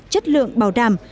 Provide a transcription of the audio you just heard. chất lượng bảo đảm